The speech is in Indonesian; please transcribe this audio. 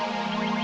ya apaan ini